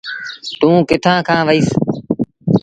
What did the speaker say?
توٚݩ ڪٿآݩ کآݩ وهيٚس۔